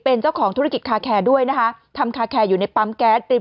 เป็นเจ้าของธุรกิจคาแคร์ด้วยนะคะทำคาแคร์อยู่ในปั๊มแก๊สริม